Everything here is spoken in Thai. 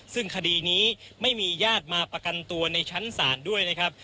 ซึ่งคดีนี้ไม่มีญาติมาประกันตัวในชั้นศาลด้วยนะครับ